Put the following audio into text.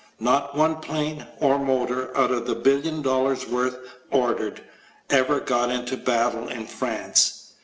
Not one plane, or motor, out of the billion dollars worth ordered, ever got into a battle in France.